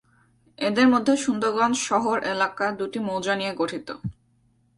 এদের মধ্যে সুন্দরগঞ্জ শহর এলাকা দুটি মৌজা নিয়ে গঠিত।